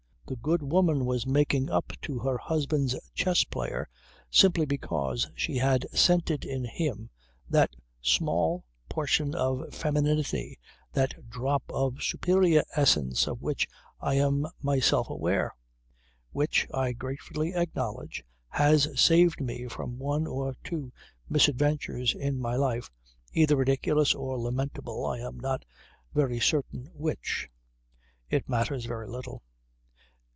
The good woman was making up to her husband's chess player simply because she had scented in him that small portion of 'femininity,' that drop of superior essence of which I am myself aware; which, I gratefully acknowledge, has saved me from one or two misadventures in my life either ridiculous or lamentable, I am not very certain which. It matters very little.